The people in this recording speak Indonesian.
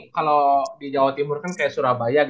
kalau di jawa timur kan kayak surabaya